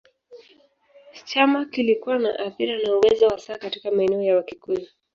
Chama kilikuwa na athira na uwezo hasa katika maeneo ya Wakikuyu.